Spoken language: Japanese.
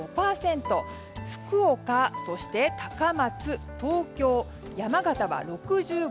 福岡、そして高松、東京、山形は６５％。